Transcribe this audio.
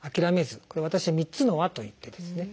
これを私は「３つの『あ』」といってですね